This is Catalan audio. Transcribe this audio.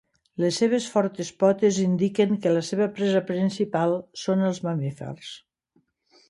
Les seves fortes potes indiquen que la seva presa principal són els mamífers.